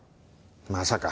まさか。